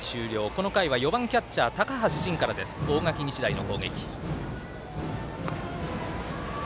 この回は４番、キャッチャー高橋慎からです、大垣日大の攻撃。